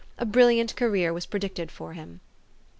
A brilliant career was predicted for him.